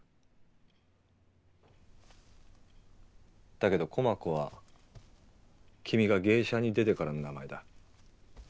だけど駒子は君が芸者に出てからの名前だ。